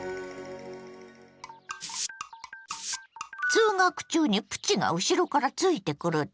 通学中にプチが後ろからついてくるって？